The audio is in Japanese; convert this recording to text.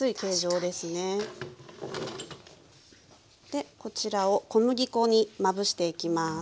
でこちらを小麦粉にまぶしていきます。